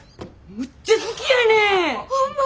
めっちゃ好きや。